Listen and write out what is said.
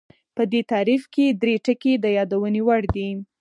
په دې تعریف کې درې ټکي د یادونې وړ دي